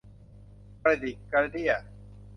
กระดิกกระเดี้ย